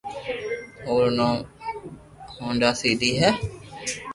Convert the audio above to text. او رو نوم ھونڌا سي دي ھي